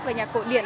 và nhạc cổ điển